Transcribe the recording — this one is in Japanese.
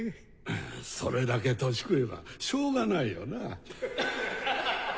それだけ年食えばしょうがないよなぁ。